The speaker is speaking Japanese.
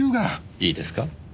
いいですか。